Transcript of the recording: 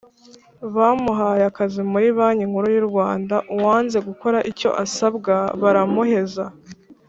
Bamuhaye akazi muri Banki Nkuru y u Rwanda. uwanze gukora icyo asabwa baramuheza